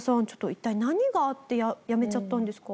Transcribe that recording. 一体何があってやめちゃったんですか？